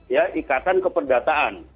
ya ikatan keperdataan